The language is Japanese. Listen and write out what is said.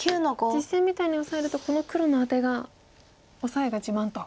実戦みたいにオサえるとこの黒のアテがオサエが自慢と。